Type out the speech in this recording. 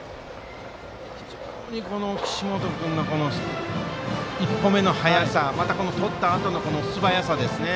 非常に岸本君の１歩目の速さまたとったあとのすばやさですね。